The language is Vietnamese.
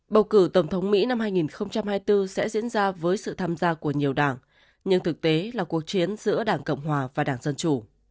bầu cử tổng thống mỹ năm hai nghìn hai mươi bốn sẽ diễn ra với sự tham gia của nhiều đảng nhưng thực tế là cuộc chiến giữa đảng cộng hòa và đảng dân chủ